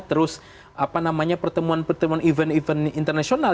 terus apa namanya pertemuan pertemuan event event internasional